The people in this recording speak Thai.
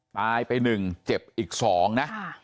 ตายไปหนึ่งเจ็บอีกสองนะ